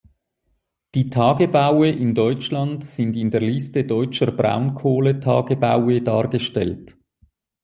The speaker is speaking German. Die Tagebaue in Deutschland sind in der Liste deutscher Braunkohletagebaue dargestellt.